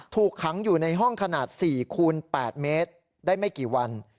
ถูกขังอยู่ในห้องขนาด๔คูณ๘เมตรได้ไม่กี่วัน